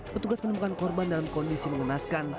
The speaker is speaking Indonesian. petugas menemukan korban dalam kondisi mengenaskan